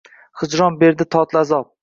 Hijron berdi totli azob